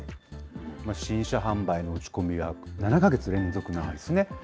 新車販売の落ち込みは７か月連続なんですね。